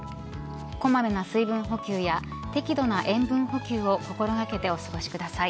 小まめな水分補給や適度な塩分補給を心掛けてお過ごしください。